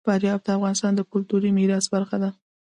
فاریاب د افغانستان د کلتوري میراث برخه ده.